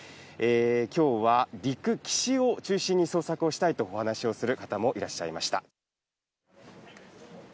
今日は陸、岸を中心に捜索したいと語る方もいらっしゃいました。